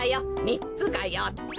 みっつかよっつ。